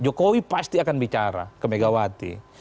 jokowi pasti akan bicara ke megawati